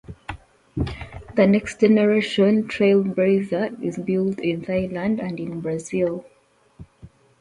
The second-generation TrailBlazer is built in Thailand and in Brazil.